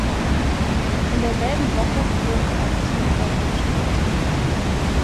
In derselben Woche wurden die Argentina Open gespielt.